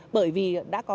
bởi vì đã có